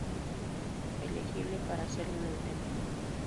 Elegible para hacerlo en el templo.